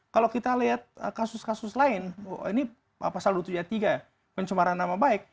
kalau kita lihat kasus kasus lain ini pasal dua ratus tujuh puluh tiga pencemaran nama baik